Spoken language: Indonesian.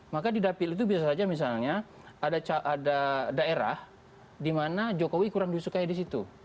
maka di dapil itu bisa saja misalnya ada daerah di mana jokowi kurang disukai di situ